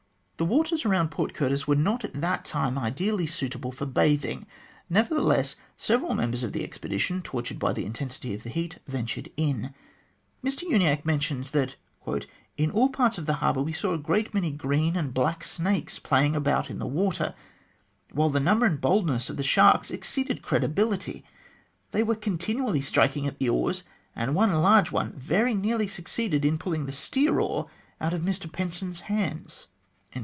The waters around Port Curtis were not at that time ideally suitable for bathing, nevertheless several members of the expedition, tortured by the intensity of the heat, ventured in. Mr Uniacke mentions that "in all parts of the harbour we saw a great many green and black snakes playing about in the water, while the number and boldness of the sharks exceeded credibility. They were continually striking at the oars, and one large one very nearly suc ceeded in pulling the steer oar out of Mr Penson's hands."